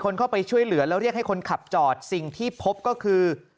เข้าไปช่วยเหลือแล้วเรียกให้คนขับจอดสิ่งที่พบก็คือ